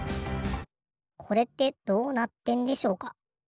これってどうなってんでしょうか？